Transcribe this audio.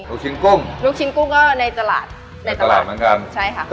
ลูกชิ้นกุ้งลูกชิ้นกุ้งก็ในตลาดในตลาดเหมือนกันใช่ค่ะ